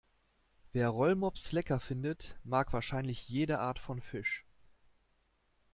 Wer Rollmops lecker findet, mag wahrscheinlich jede Art von Fisch.